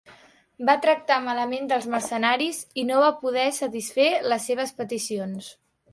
Va tractar malament els mercenaris i no va poder satisfer les seves peticions.